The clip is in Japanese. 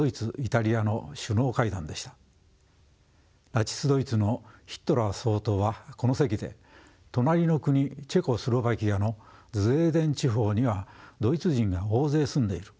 ナチスドイツのヒトラー総統はこの席で隣の国チェコスロバキアのズデーテン地方にはドイツ人が大勢住んでいる。